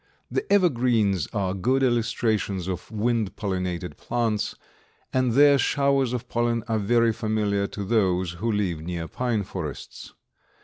The evergreens are good illustrations of wind pollinated plants, and their showers of pollen are very familiar to those who live near pine forests.